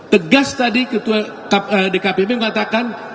tegas tadi ketua dkpp mengatakan